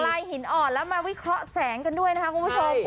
ลายหินอ่อนแล้วมาวิเคราะห์แสงกันด้วยนะคะคุณผู้ชม